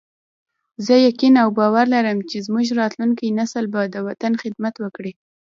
زه یقین او باور لرم چې زموږ راتلونکی نسل به د وطن خدمت وکړي